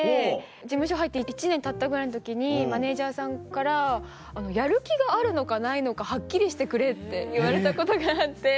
事務所入って１年たったぐらいの時にマネジャーさんから「やる気があるのかないのかはっきりしてくれ」って言われたことがあって。